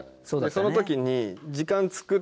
その時に。